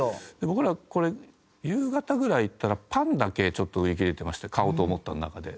僕らこれ夕方ぐらい行ったらパンだけちょっと売り切れてまして買おうと思った中で。